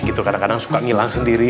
gitu kadang kadang suka ngilang sendiri